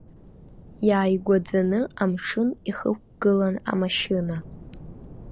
Иааигәаӡаны амшын ихықәгылан амашьына.